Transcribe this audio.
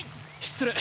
失礼。